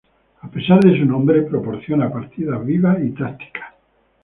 A pesar de su nombre proporciona partidas vivas y tácticas.